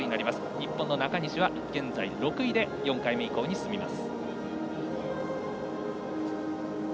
日本の中西は現在６位で４回目以降に進みます。